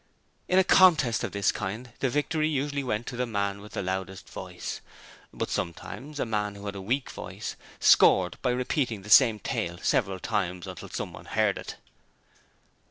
In a contest of this kind the victory usually went to the man with the loudest voice, but sometimes a man who had a weak voice, scored by repeating the same tale several times until someone heard it.